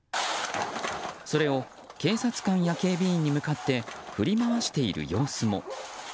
それを警察官や警備員に向かって振り回している様子も。